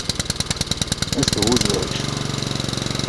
Es to uzveikšu.